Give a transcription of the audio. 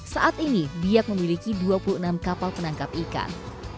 saat ini biak memiliki dua puluh enam kapal penangkap ikan